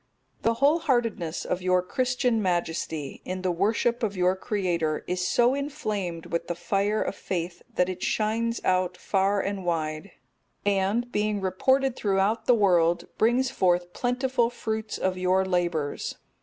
_ The wholeheartedness of your Christian Majesty, in the worship of your Creator, is so inflamed with the fire of faith, that it shines out far and wide, and, being reported throughout the world, brings forth plentiful fruits of your labours.